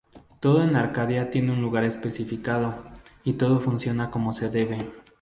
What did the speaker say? Todo en Arcadia tiene un lugar especificado, y todo funciona como se debe.